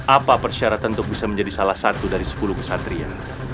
apa persyaratan untuk bisa menjadi salah satu dari sepuluh kesatria